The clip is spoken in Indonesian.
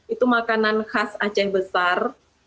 itu makanan khas aceh besar